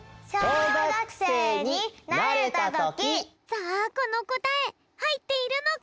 さあこのこたえはいっているのか！？